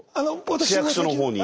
市役所の方に。